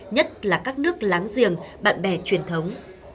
nhất là các nước láng giềng bạn bè truyền thống